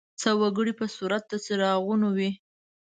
څه وګړي په صورت د څراغونو وي.